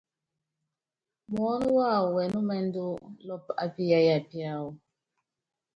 Muɔ́nɔ́ wawɔ wɛnúmɛndú lɔɔpɔ á piyáya piáwɔ.